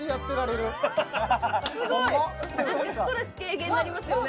すごい何かストレス軽減になりますよね